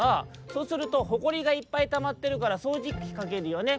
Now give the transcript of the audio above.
「そうするとほこりがいっぱいたまってるからそうじきかけるよね？